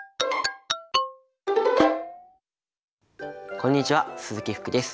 こんにちは鈴木福です。